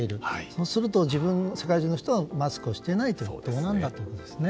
そうすると世界中の人はマスクをしていないということですね。